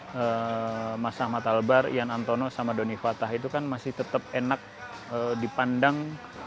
nah mas ahmad albar ian antono sama doni fatah itu kan masih tetap enak dipandang